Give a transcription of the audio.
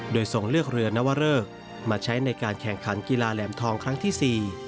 โดยส่งเลือกเรือนวเริกมาใช้ในการแข่งขันกีฬาแหลมทองครั้งที่๔